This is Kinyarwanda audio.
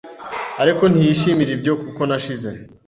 Ariko ntiyishimira ibyo kuko nashize